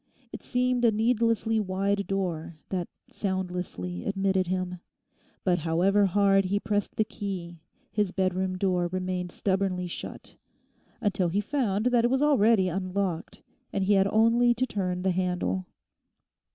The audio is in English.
It seemed a needlessly wide door that soundlessly admitted him. But however hard he pressed the key his bedroom door remained stubbornly shut until he found that it was already unlocked and he had only to turn the handle.